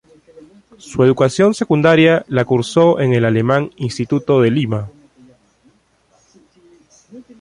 Su educación secundaria la cursó en el alemán Instituto de Lima.